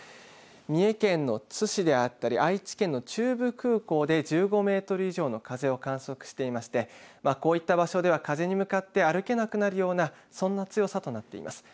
三重県の津市であったり愛知県の中部空港で１５メートル以上の風を観測していましてこういった場所では風に向かって歩けなくなるようなそんな強さとなっています。